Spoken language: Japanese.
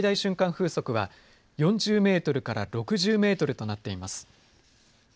風速は４０メートルから６０メートルとなっています。